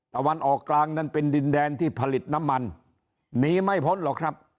ตะวันออกกลางนั้นเป็นดินแดนที่ผลิตน้ำมันหนีไม่พ้นหรอกครับ